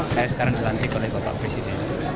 saya sekarang dilantik oleh bapak presiden